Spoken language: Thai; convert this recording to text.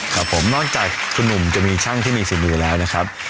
ครับผมนอกจากคุณหนุ่มจะมีช่างที่มีฝีมือแล้วนะครับ